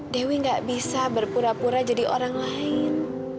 dewi gak bisa berpura pura jadi orang lain